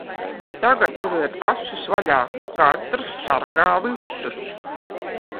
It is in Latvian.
Tagad turiet acis vaļā. Katrs sargā visus.